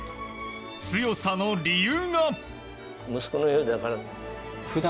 強さの理由が。